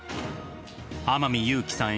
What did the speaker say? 天海祐希さん